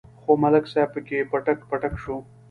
خو ملک صاحب پکې پټک پټک شو.